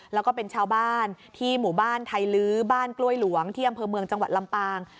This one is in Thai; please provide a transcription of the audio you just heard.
แล้วก็เป็นชาวบ้านที่หมู่บ้านไทยลื้อบ้านกล้วยหลวงที่อำเภอเมืองจังหวัดลำปาง